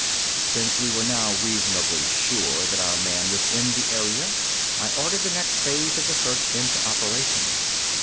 Since we were now reasonably sure that our man was in the area, I ordered the next phase of the search into operation.